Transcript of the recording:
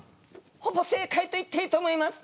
ほぼ正解と言っていいと思います。